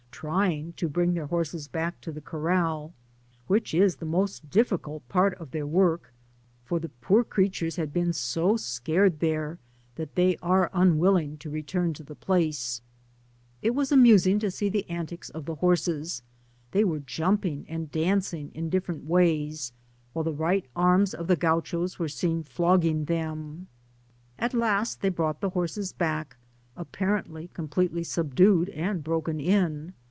. 261 trying to bring their horses back to the corrdl, which is the most difficult part of their work, for the poor creatures had been so scared there that they are unwilling to return to thp place* It was amusing to see the antics of the horses: they were jumping and dancing in different ways, while the right arms of the Gauchos were seen flogging them. At last they brought the horses back, apparently completely subdued and broken in.